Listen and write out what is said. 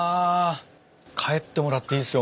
帰ってもらっていいっすよ